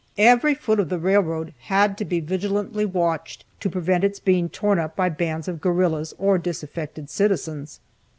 Every foot of the railroad had to be vigilantly watched to prevent its being torn up by bands of guerrillas or disaffected citizens.